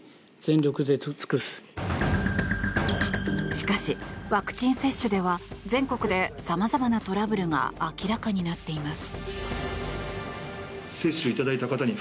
しかし、ワクチン接種では全国で様々なトラブルが明らかになっています。